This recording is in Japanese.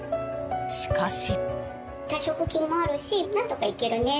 しかし。